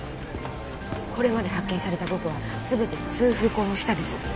これまで発見された５個は全て通風孔の下です